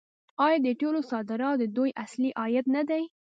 آیا د تیلو صادرات د دوی اصلي عاید نه دی؟